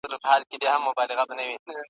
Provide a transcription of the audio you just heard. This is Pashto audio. ویل دا تعویذ دي زوی ته کړه په غاړه .